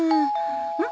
うん？